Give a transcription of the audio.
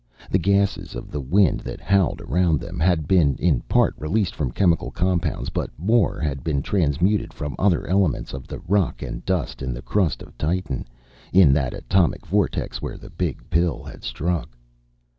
The gases of the wind that howled around them, had been in part released from chemical compounds, but more had been transmuted from other elements of the rock and dust in the crust of Titan, in that atomic vortex where the Big Pill had struck.